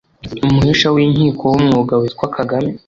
umuhesha w’inkiko w’umwuga witwa Kagame